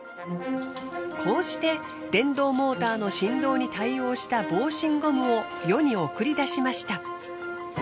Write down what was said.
こうして電動モーターの振動に対応した防振ゴムを世に送り出しました。